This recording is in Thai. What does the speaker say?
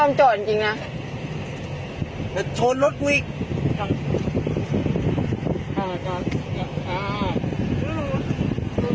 น่าจะเป็นอาหารอายุหรือยากกลาย